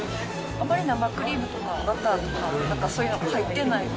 あまり生クリームとかバターとか、そういうのが入ってないもの。